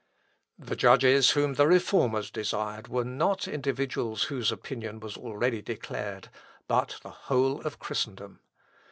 ] The judges whom the Reformers desired were not individuals whose opinion was already declared, but the whole of Christendom.